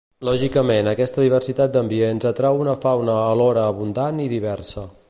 Lògicament aquesta diversitat d'ambients atrau una fauna alhora abundant i diversa.